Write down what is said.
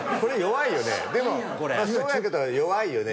でもそうやけど弱いよね？